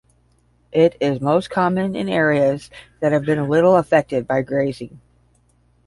It is most common in areas that have been little affected by grazing.